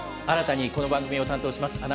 新たにこの番組を担当します